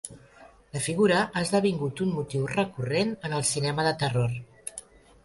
La figura ha esdevingut un motiu recurrent en el cinema de terror.